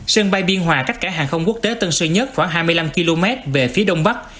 sân bay biên hòa cách cảng hàng không quốc tế tân sơn nhất khoảng hai mươi năm km về phía đông bắc